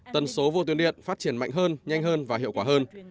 tần số vô tuyến điện phát triển mạnh hơn nhanh hơn và hiệu quả hơn